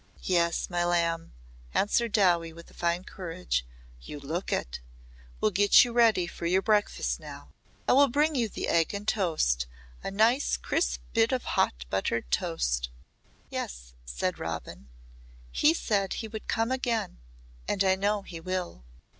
"Yes, my lamb," answered Dowie with fine courage. "You look it. We'll get you ready for your breakfast now. I will bring you the egg and toast a nice crisp bit of hot buttered toast." "Yes," said Robin. "He said he would come again and I know he will."